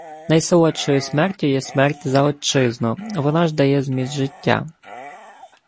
Найсолодшою смертю є смерть за Отчизну. Вона ж дає зміст життя.